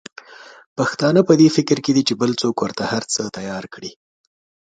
پښتانه په دي فکر کې دي چې بل څوک ورته هرڅه تیار کړي.